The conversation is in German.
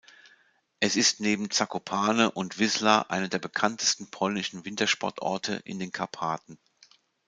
Es ist neben Zakopane und Wisła einer der bekanntesten polnischen Wintersportorte in den Karpaten.